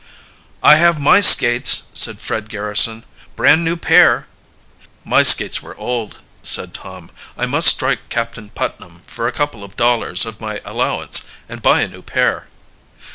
"I have my skates," said Fred Garrison. "Brand new pair." "My skates were old," said Tom. "I must strike Captain Putnam for a couple of dollars of my allowance and buy a new pair."